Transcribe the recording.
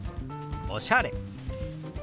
「おしゃれ」。